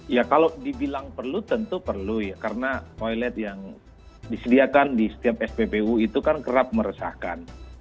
ya kalau dibilang perlu tentu perlu ya karena toilet yang disediakan di setiap spbu itu kan kerap meresahkan